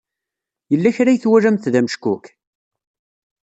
Yella kra ay twalamt d ameckuk?